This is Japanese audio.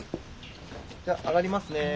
じゃあ上がりますね。